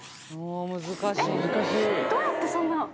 どうやってそんな。